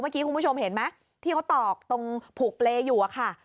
เมื่อกี้คุณผู้ชมเห็นไหมที่เขาตอกตรงผูกเปรย์อยู่อะค่ะ